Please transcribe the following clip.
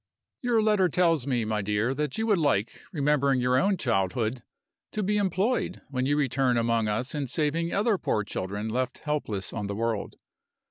"Your letter tells me, my dear, that you would like remembering your own childhood to be employed when you return among us in saving other poor children left helpless on the world.